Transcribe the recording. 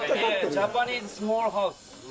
ジャパニーズスモールハウス。